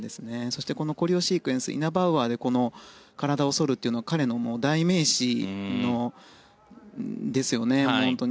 そしてコレオシークエンスイナバウアーで体を反るというのは彼の代名詞ですよね。